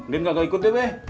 din gak ikut deh be